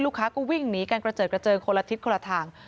ลูกค้าก็วิ่งหนีกันกระเจิดคนละทิศคนละทาง